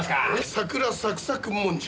桜サクサクもんじゃ。